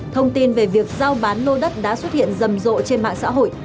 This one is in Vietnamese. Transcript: thông tin về việc giao bán lô đất đã xuất hiện rầm rộ trên mạng xã hội